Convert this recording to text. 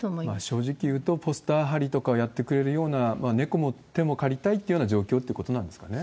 正直言うと、ポスター貼りとかをやってくれるような、猫の手も借りたいっていうような状況っていうことなんですかね。